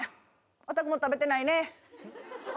おたくも食べてないね。